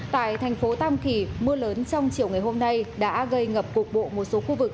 tại thành phố tam kỳ mưa lớn trong chiều ngày hôm nay đã gây ngập cục bộ một số khu vực